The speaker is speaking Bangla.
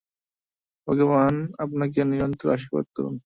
ভগবান আপনাকে নিরন্তর আশীর্বাদ করুন।